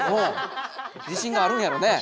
自信があるんやろね。